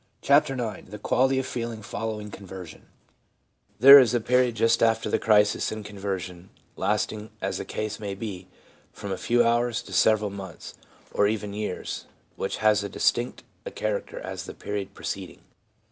CHAPTER IX TPIE QUALITY OF FEELING FOLLOWING CONVERSION There is a period just after the crisis in conversion, lasting, as the case may be, from a few hours to several months, or even years, which has as distinct a character as the period preceding.